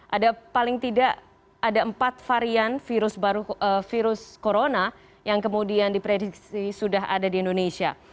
ada paling tidak ada empat varian virus corona yang kemudian diprediksi sudah ada di indonesia